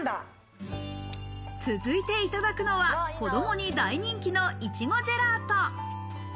続いていただくのは、子供に大人気のいちごジェラート。